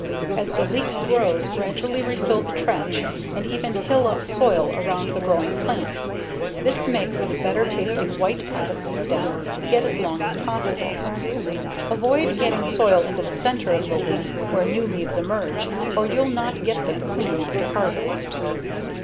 As the leeks grow, gradually refill the trench and even hill up soil around the growing plants. This makes the better tasting white part of the stem get as long as possible. Avoid getting soil into the center of the leek where new leaves emerge, or you'll not get them clean after harvest.